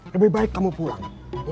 lebih baik kamu pulang